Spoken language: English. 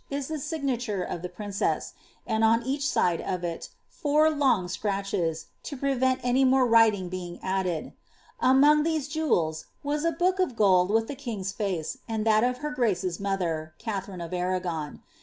■ lh« mgnatnre of the princess; and on each side ol it, four long acrMches, to prevent any more writing being attded. Among these jevrela was a *• book of gold with the king's face, and thai of her grace's tnother (Katharine of Arragonl."